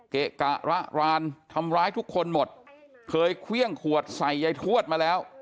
เกะกะระรานทำร้ายทุกคนหมดเคยเครื่องขวดใส่ยายทวดมาแล้ว